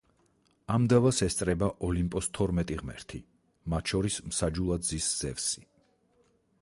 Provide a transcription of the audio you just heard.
ამ დავას ესწრება ოლიმპოს თორმეტი ღმერთი, მათ შორის მსაჯულად ზის ზევსი.